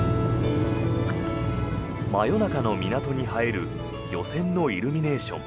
真夜中の港に映える漁船のイルミネーション。